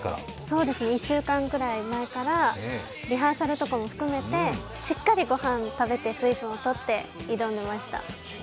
そうです、１週間ぐらい前からリハーサルも含めてしっかりごはん食べて水分をとって挑んでました。